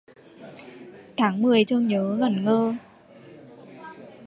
Tháng mười thương nhớ ngẩn ngơ